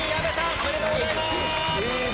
おめでとうございます！